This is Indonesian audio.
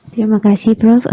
terima kasih prof